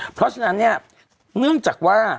เพราะฉะนั้นเนี่ยเนื่องจากว่า